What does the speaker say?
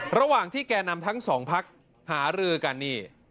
ระหว่างที่แก่นำทั้งสองพักหารือกันนี่